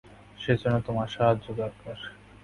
সেজন্য তোমার সাহায্য দরকার।